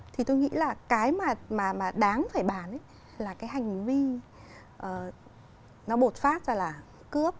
thì tôi nghĩ là cái mà đáng phải bàn là cái hành vi nó bột phát ra là cướp